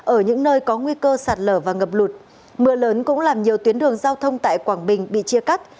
ở những nơi có nguy cơ sạt lở và ngập lụt mưa lớn cũng làm nhiều tuyến đường giao thông tại quảng bình bị chia cắt